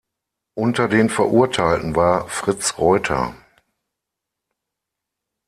Unter den Verurteilten war Fritz Reuter.